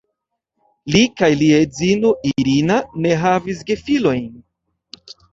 Li kaj lia edzino "Irina" ne havis gefilojn.